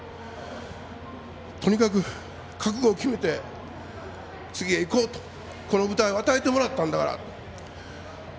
とにかく覚悟を決めて次へいこうと、この舞台を与えてもらったんだから。